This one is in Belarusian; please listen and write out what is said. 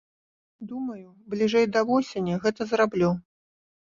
Думаю, бліжэй да восені гэта зраблю.